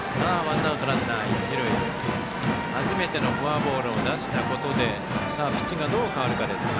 初めてのフォアボールを出したことでピッチングがどう変わるかですが。